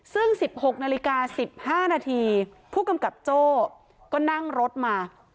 ซึ่ง๑๖นาฬิกา๑๕นาทีผู้กำกับโจ้ก็นั่งรถมา